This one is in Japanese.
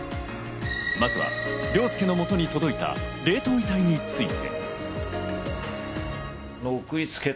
まずは凌介の元に届いた冷凍遺体について。